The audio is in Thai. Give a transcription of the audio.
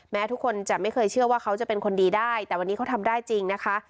ทุกคนจะไม่เคยเชื่อว่าเขาจะเป็นคนดีได้แต่วันนี้เขาทำได้จริงนะคะ